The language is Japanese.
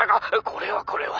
これはこれは。